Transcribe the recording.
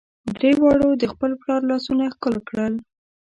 درې واړو د خپل پلار لاسونه ښکل کړل.